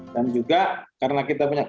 dan juga karena kita punya